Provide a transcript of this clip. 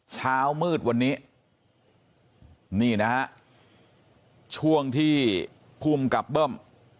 เช้ามืดวันนี้นี่นะฮะช่วงที่ภูมิกับเบิ้ม